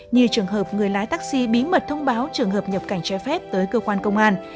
như trường hợp người lái taxi bí mật thông báo trường hợp nhập cảnh trái phép tới cơ quan công an